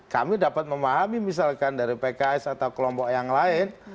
kami dapat memahami misalkan dari pks atau kelompok yang lain